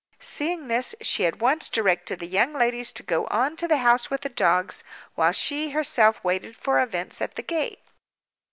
Seeing this, she at once directed the young ladies to go on to the house with the dogs, while she herself waited for events at the gate.